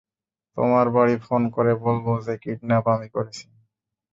তোমার বাড়ি ফোন করে বলবো যে কিডন্যাপ আমি করেছি।